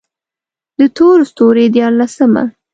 د تور ستوري ديارلسمه: